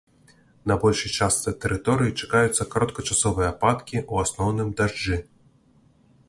На большай частцы тэрыторыі чакаюцца кароткачасовыя ападкі, у асноўным дажджы.